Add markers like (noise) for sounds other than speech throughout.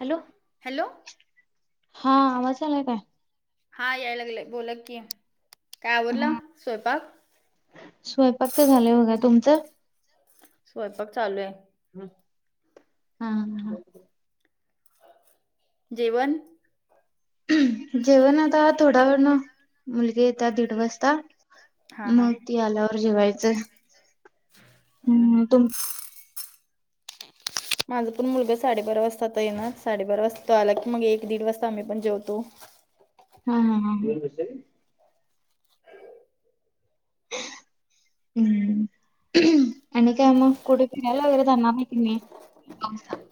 Hello hello हा आवाज आलाय काय? हा याय लागलंय. बोला की काय आवरलं हा. स्वयंपाक? स्वयंपाक तर झालंय बघा तुमचं? स्वयंपाक चालू हाय. हम्म हां हां. जेवणं जेवणं आता थोड्या वेळानं मुलगी येत्या दीड वाजता. हा हा मग हम्म ती आल्यावर जेवायचं. हम्म. माझं पण मुलगा साडेबारा वाजता आता येणारं, साडेबारा वाजता तो आला की मग एक दीड वाजता आम्ही पण जेवतो. हां हां हां. (inaudible) आणि काय म, कुठं फिराला वगैेरे जाणारं हाय की नाही पावसातं?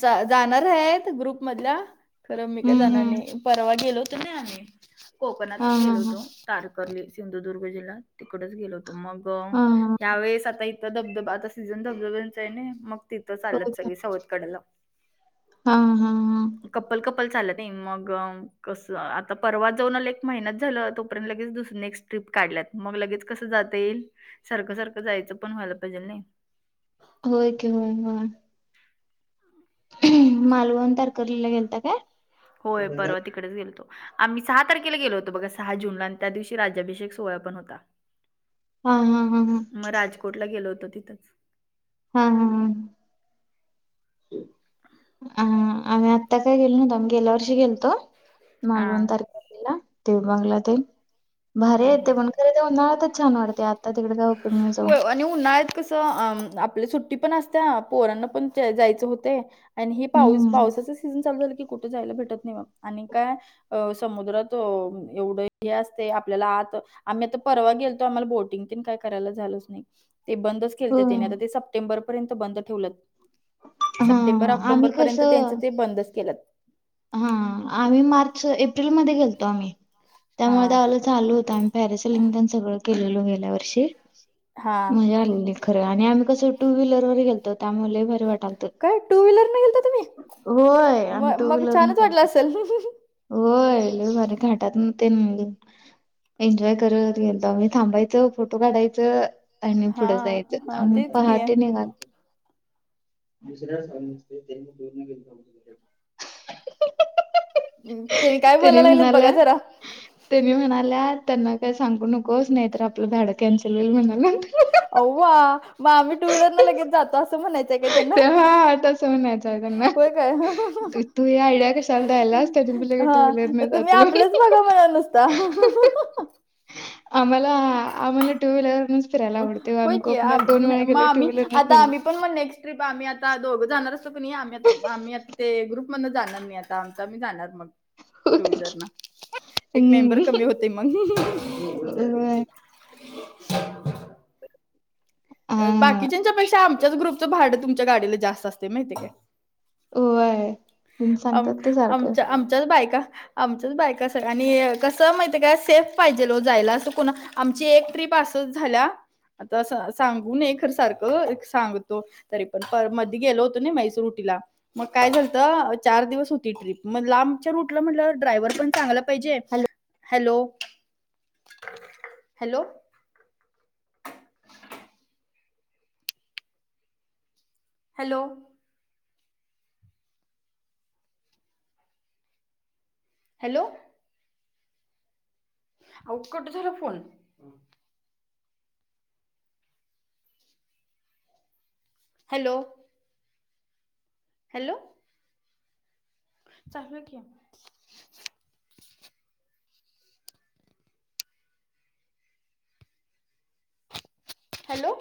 जा जाणार आहेत ग्रुप मधल्या खरं मी काय हम्म जाणार हम्म नाही परवा गेलो तू नाही आली. हा कोकणातचं हा गेलो होतो तारकर्ली, सिंधुदुर्ग जिल्हा तिकडचं गेलो होतो. मग हा ह्या वेळेस आता इथं धबधबा आता सीझन धबधब्याचं आहे नाय मग तिथं हा हा चाल्यातं होय की सगळी सवथ कडेला. हा हा हा. कपल कपल चाललेत नाही मग कसं आता परवा जाऊन आले एक महिनाच झालं तोपर्यंत लगेच दुस नेक्स्ट ट्रिप काढल्यात मग लगेच कसं जाता येईल. सारखं सारखं जायचं पण व्हायला पाहिजे नाही. होय की मग, होय. मालवण तारकर्लीला गेलतां काय? होय परवा ती कडेचं गेलतो आम्ही सहा तारखेला गेलो होतो बघा सहा जूनला आणि त्या दिवशी राज्यभिषेक सोहळा पण होता. हा हा हा हा मग राजकोटला गेलो होतो तिथंच हम्म हम्म हम्म. अ आम्ही आत्ता काय गेलो नव्हतो, आम्ही गेल्या वर्षी गेलतो. हां मालवण तारकर्लीला देवबंगला ते भारी आहे ते हम्म. पण खरे ते उन्हाळ्यातचं छान वाटते आता तिकडे काय उपयोग नाही जाऊन. होय आणि उन्हाळ्यातं कसं अ आपल्या सुट्टी पण असत्या पोरांना पण जायचं होतय आणि हे पाऊस हम्म पावसाचं सीझन चालू झालं की कुठे जायला भेटत नाही बाबा. आणि काय अह समुद्रात अह एवढं हे असते आप आपल्याला आत आम्ही आता परवा गेलतो, आम्हाला बोटिंग बीटिंग काय करायला झालंच नाही. ते बंदच केलत होय त्यानी आता ते सप्टेंबर पर्यंत बंद ठेवलय हा सप्टेंबर ऑक्टोबर आम्ही पर्यंत त्यांच कसं ते बंदच केलेतं. हा आम्ही मार्च एप्रिलमध्ये गेलतो आम्ही हा त्यामुळ त्यावेळे चालू होत आम्ही पॅरसिलिंग पण सगळं केलेल गेल्या वर्षी हा. मजा आलेली खरं आहे आणि आम्ही कसं टू व्हीलर वर गेलतो त्यामुळ लय भारी वाटालतं काय टू व्हीलर न गेलता तुम्ही होय आम्ही म टू मग व्हीलरने छानच वाटल गेलतो असल होय लय भारी घाटातन तेन एन्जॉय करत गेलतो आम्ही, थांबायचं फोटो काढायचं आणि हा पुढं जायचं हा आम्ही तेच की. पहाटे निघालो दुसऱ्या (unintelligible) तेनी काय बोला लागल्यात बघा जरा. तेनी म्हणाल्या त्यांना काय सांगू नकोस नाहीतर आपलं भाडं कॅन्सल होईल म्हणाल्यात. अव्वा म आम्ही टू व्हीलरनं लगेच जातो असं म्हणायचाय काय त्यांना ते हा तसं म्हणायचं त्यांना होय काय तू-तू ही आयडीया कशाला द्यायल्यास तेजी बी लगेच टू हा व्हीलरनं तुम्ही आपलंच बगा म्हणा नुसता. (unintelligible) आम्हाला आम्हाला टू व्हीलरनच फिरायला आवडतय ओ होय आम्ही की कोकणात दोन वेळा मग गेलोय टू आम्ही व्हीलरनच आता गेलो. आम्ही पण मग नेक्स्ट ट्रिप आम्ही आता दोघ जाणार असतो कनी आम्ही आता आम्ही आता ते ग्रुप मण जाणान मी आता आमच आम्ही जाणार मग. टू व्हीलरनं एक मेंबर कमी होतय मग. व्हय. (inaudible) हा बाकीच्याच्यापेक्षा आमच्याच ग्रुपचं भाडं तुमच्या गाडीला जास्त असतय माहितीय काय? व्हय. आम-आमच्या आमच्याच बायका आमच्याच बायका असं आणि कसं माहितीये काय सेफ पाहिजेल ओ जायला असं कुणा आमची एक ट्रीप असंच झाल्या आता सा-सांगू नये खरं सारखं सांगतो तरी पण पर मदी गेलो होतो नाय म्हैसूर रुटीला मग काय झालतं चार दिवस होती ट्रीप मग लांबच्या रूटला म्हटल्यावर ड्रायव्हर पण चांगला पाहिजे. हॅलो हॅलो हॅलो हॅलो आवो कट झाला फोन. हॅलो हॅलो चालू हाय की. हॅलो